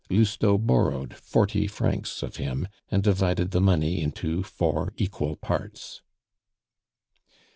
Lousteau borrowed forty francs of him, and divided the money into four equal parts.